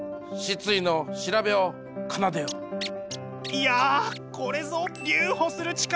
いやこれぞ留保する力！